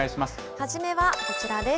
初めはこちらです。